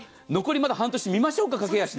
まだ半分、見ましょうか。